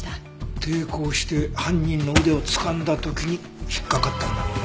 抵抗して犯人の腕をつかんだ時に引っかかったんだろうね。